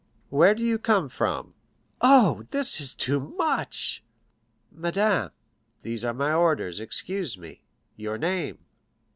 "Where do you come from?" "Oh, this is too much!" "Madame, these are my orders; excuse me. Your name?"